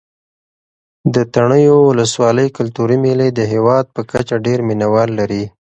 د تڼیو ولسوالۍ کلتوري مېلې د هېواد په کچه ډېر مینه وال لري.